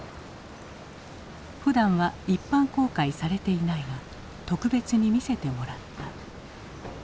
ふだんは一般公開されていないが特別に見せてもらった。